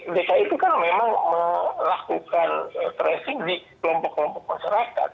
dki itu kan memang melakukan tracing di kelompok kelompok masyarakat